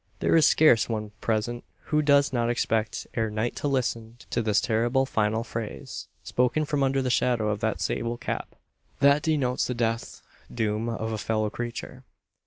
There is scarce one present who does not expect ere night to listen to this terrible final phrase, spoken from under the shadow of that sable cap, that denotes the death doom of a fellow creature.